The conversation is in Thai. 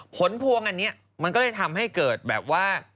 ผลพวงอันนี้มันก็เลยทำให้เกิดแบบว่า